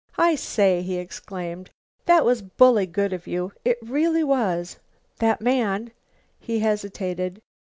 "I say," he exclaimed, "That was bully good of you. It really was. That man " He hesitated.